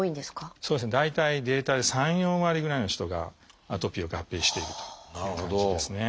大体データで３４割ぐらいの人がアトピーを合併しているという感じですね。